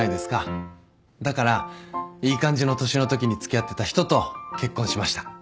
だからいい感じの年のときに付き合ってた人と結婚しました。